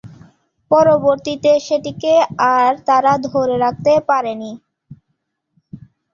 পরবর্তীতে সেটিকে আর তারা ধরে রাখতে পারেনি।